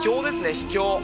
秘境。